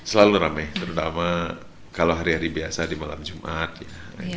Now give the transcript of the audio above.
selalu rame terutama kalau hari hari biasa di malam jumat ya